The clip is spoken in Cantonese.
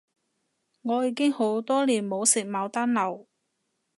我已經好多年冇食牡丹樓